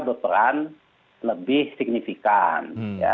berperan lebih signifikan